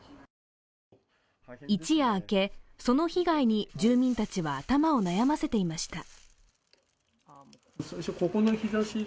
一や明け、その被害に住民たちは頭を悩ませていました。